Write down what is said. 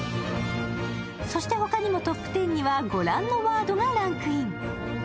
そして他にもトップ１０には御覧のワードがランクイン。